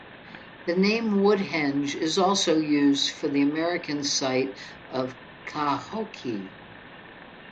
The name Woodhenge is also used for the American site of Cahokia.